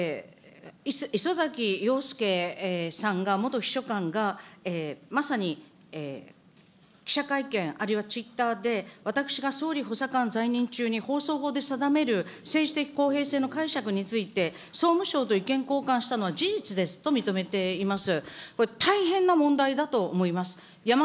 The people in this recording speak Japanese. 礒崎陽輔さんが、元秘書官が、まさに記者会見、あるいはツイッターで、私が総理大臣補佐官で、放送法で定める政治的公平性の解釈について、総務省と意見交換したのは事実ですと認めています。